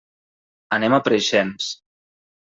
Anem a Preixens.